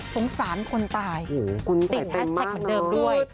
สงสารคนตายคุณจริงแอสเต็กต์เหมือนเดิมด้วย